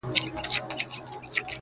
د چڼچڼيو او د زرکو پرځای!.